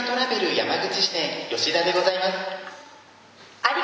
山口支店吉田でございます。